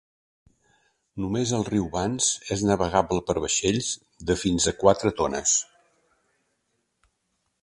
Només el riu Bans és navegable per vaixells de fins a quatre tones.